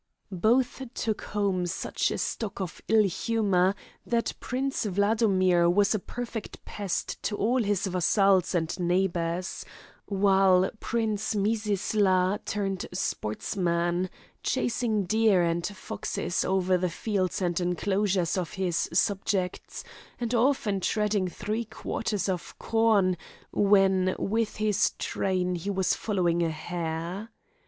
Both took home such a stock of ill humour, that Prince Wladomir was a perfect pest to all his vassals and neighbours, while Prince Mizisla turned sportsman, chasing deer and foxes over the fields and enclosures of his subjects, and often treading three quarters of corn, when with his train he was following a hare.